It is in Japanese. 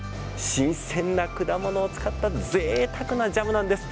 新鮮な果物を使ったぜいたくなジャムなんです。